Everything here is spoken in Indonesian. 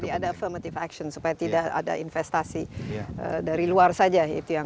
jadi ada affirmative action supaya tidak ada investasi dari luar saja